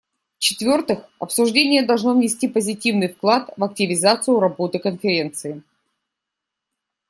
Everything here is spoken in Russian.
В-четвертых, обсуждение должно внести позитивный вклад в активизацию работы Конференции.